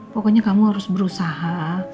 pokoknya kamu harus berusaha